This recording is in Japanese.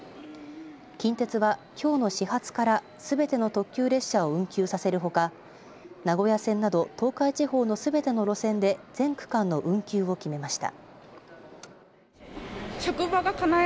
近鉄はきょうの始発からすべての特急列車を運休させるほか名古屋線など東海地方のすべての路線で全区間の運休を決めました。